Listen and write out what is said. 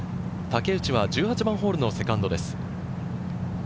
竹内は１８番ホールのセカンドです。